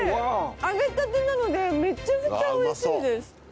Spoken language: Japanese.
揚げたてなのでめちゃめちゃおいしいです。